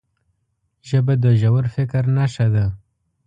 ژبه د ژور فکر نښه ده